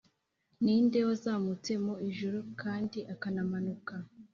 ni nde wazamutse mu ijuru kandi akamanuka’